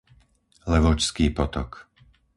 Levočský potok